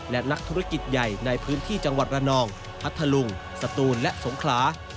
และนักธุรกิจใหญ่ในพื้นที่จังหวัดระนองพัทธลุงสตูนและสงขลา